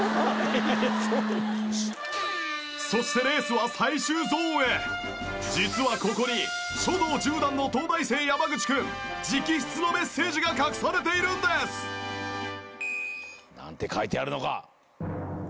そしてレースは実はここに書道１０段の東大生山口君直筆のメッセージが隠されているんです。なんて書いてあるのか？